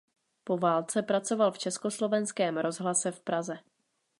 Po válce pracoval v Československém rozhlase v Praze.